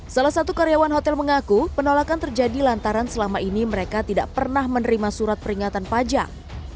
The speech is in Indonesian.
salah satu karyawan hotel mengaku penolakan terjadi lantaran selama ini mereka tidak pernah menerima surat peringatan pajak